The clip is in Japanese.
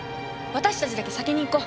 私たちだけ先に行こう。